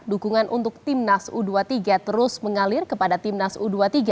dukungan untuk timnas u dua puluh tiga terus mengalir kepada timnas u dua puluh tiga